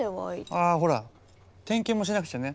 あほら点検もしなくちゃね。